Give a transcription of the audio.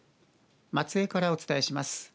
松江からお伝えします。